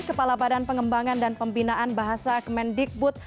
kepala badan pengembangan dan pembinaan bahasa kemendikbud